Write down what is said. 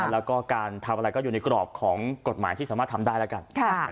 แล้วก็การทำอะไรก็อยู่ในกรอบของกฎหมายที่สามารถทำได้แล้วกัน